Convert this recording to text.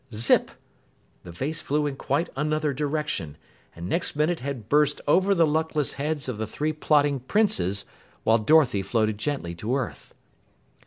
Zip! The vase flew in quite another direction, and next minute had burst over the luckless heads of the three plotting Princes, while Dorothy floated gently to earth.